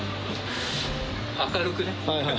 明るくね。